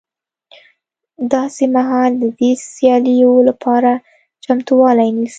داسې مهال د دې سیالیو لپاره چمتوالی نیسي